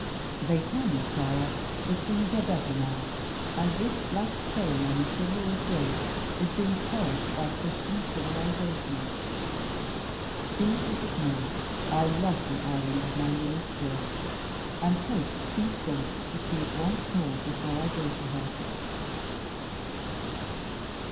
They tell me, Clara, that things are better now, and this black stain on a chivalrous race is being purged by Christian civilization. Be it as it may, I love the island of my Lily still; and hope, please God, to see it once more, before I go to her.